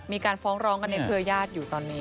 มีการฟ้องร้องกันในเครือญาติอยู่ตอนนี้